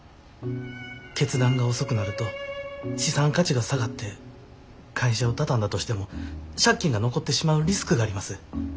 決断が遅くなると資産価値が下がって会社を畳んだとしても借金が残ってしまうリスクがあります。